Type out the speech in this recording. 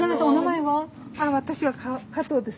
私は加藤です。